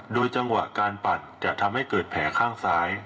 โดยจังหวะการปัดจะทำให้เกิดแผลข้างซ้าย